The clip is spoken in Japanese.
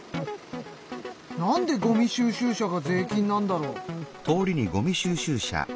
なんでごみ収集車が税金なんだろう？